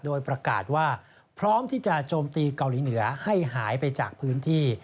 โดยประกาศว่าพร้อมที่จะโจมตีเกาหลีเหนือให้หายไปจากพื้นที่